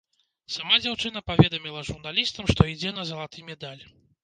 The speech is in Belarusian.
Сама дзяўчына паведаміла журналістам, што ідзе на залаты медаль.